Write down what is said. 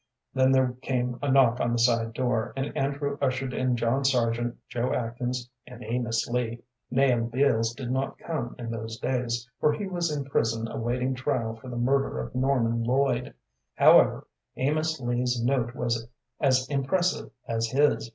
Then there came a knock on the side door, and Andrew ushered in John Sargent, Joe Atkins, and Amos Lee. Nahum Beals did not come in those days, for he was in prison awaiting trial for the murder of Norman Lloyd. However, Amos Lee's note was as impressive as his.